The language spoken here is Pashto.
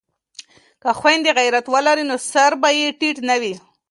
که خویندې غیرت ولري نو سر به ټیټ نه وي.